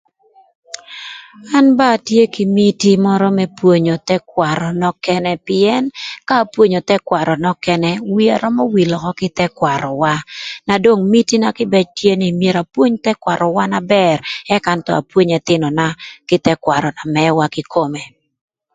An ba atye kï miti mörö më pwonyo thëkwarö nökënë pïën k'apwonyo thëkwarö nökënë wia römö wil ökö kï thëkwaröwa na dong mitina kïbëc tye nï myero apwony thëkwaröwa na bër ëk an thon apwony ëthïnöna kï thëkwarö na mëwa kikome.